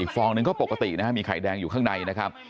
ฟองนึงก็ปกตินะครับมีไข่แดงอยู่ข้างในนะครับ